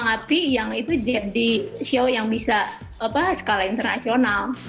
tapi yang itu jadi show yang bisa skala internasional